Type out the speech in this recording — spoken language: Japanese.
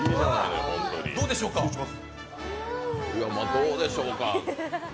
どうでしょうか？